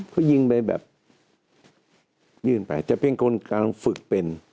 เขายิงไปแบบยื่นไปแต่เพียงคนกำลังฝึกเป็น